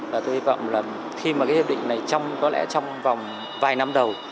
và tôi hy vọng là khi mà cái hiệp định này có lẽ trong vòng vài năm đầu